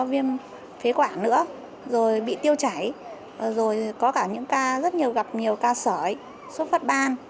sốt do viêm phế quả nữa rồi bị tiêu chảy rồi có cả những ca rất nhiều gặp nhiều ca sởi sốt phất ban